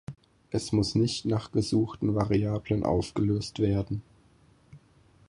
Es muss nicht nach gesuchten Variablen aufgelöst werden.